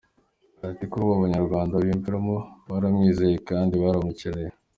Ati” Kuri ubu Abanyarwanda bamwiyumvamo, baramwizeye, kandi baramukeneye.